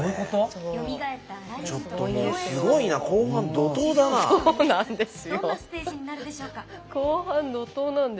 どんなステージになるでしょうか。